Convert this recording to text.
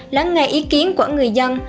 lắng ngay ý kiến của người dân